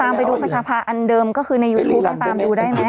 ตามไปดูภาษาภาคอนเดิมก็คือในยูทูปไม่ต้องไปดูได้ไหม